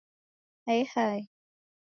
Hae hae